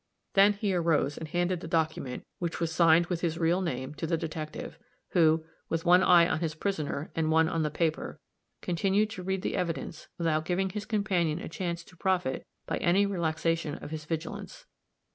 Then he arose and handed the document, which was signed with his real name, to the detective, who, with one eye on his prisoner, and one on the paper, continued to read the evidence without giving his companion a chance to profit by any relaxation of his vigilance.